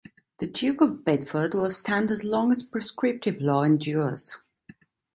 The duke of Bedford will stand as long as prescriptive law endures.